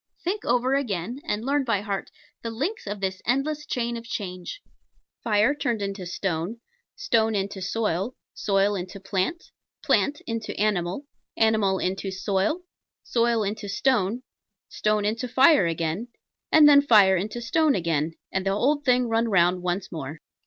Think over again, and learn by heart, the links of this endless chain of change: Fire turned into Stone Stone into Soil Soil into Plant Plant into Animal Animal into Soil Soil into Stone Stone into Fire again and then Fire into Stone again, and the old thing run round once more.